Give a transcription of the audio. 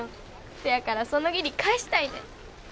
そやからその義理返したいねん。